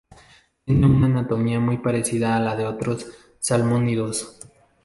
Tiene una anatomía muy parecida a la de otros salmónidos.